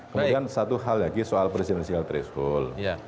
kemudian satu hal lagi soal presiden sihal teresul